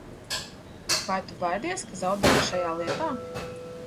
Vai tu baidies, ka zaudēsi šajā lietā?